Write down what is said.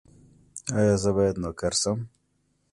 ایا زه باید نوکر شم؟